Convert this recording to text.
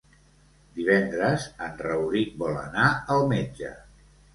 Divendres en Rauric vol anar al metge.